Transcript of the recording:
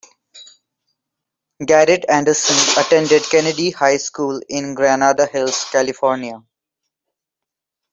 Garret Anderson attended Kennedy High School in Granada Hills, California.